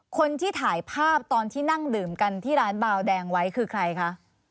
คนที่ถ่ายภาพตอนที่นั่งดื่มกันที่ร้านบาวแดงไว้คือใครคะ